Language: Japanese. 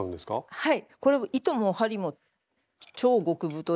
はい。